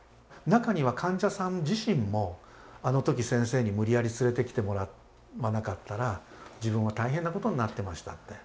中には患者さん自身もあの時先生に無理やり連れてきてもらわなかったら自分は大変なことになってましたって。